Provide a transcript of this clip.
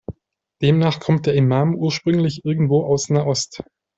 Demnach kommt der Imam ursprünglich irgendwo aus Nahost.